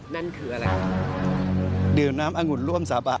นั่นคืออะไรครับ